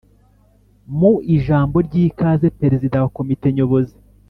mu ijambo ry’ikaze, perezida wa komite nyobozi